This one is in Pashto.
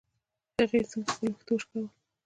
هغې څنګه خپل ويښته شکول.